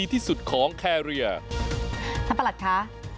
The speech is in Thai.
ท่านประหลัดค่ะ